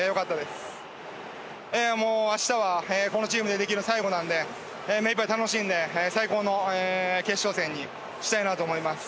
明日はこのチームでできる最後なのでめいっぱい楽しんで最高の決勝戦にしたいなと思います。